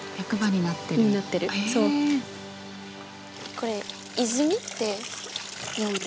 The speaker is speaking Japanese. これ泉？って日本で。